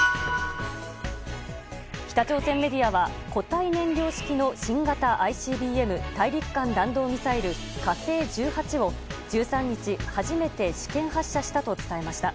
北朝鮮メディアは固体燃料式の新型ＩＣＢＭ・大陸間弾道ミサイル「火星１８」を１３日、初めて試験発射したと伝えました。